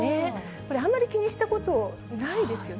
これ、あんまり気にしたことないですよね。